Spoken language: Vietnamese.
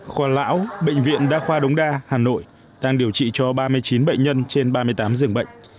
khoa lão bệnh viện đa khoa đống đa hà nội đang điều trị cho ba mươi chín bệnh nhân trên ba mươi tám dường bệnh